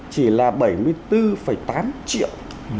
chỉ là bảy mươi bốn tám triệu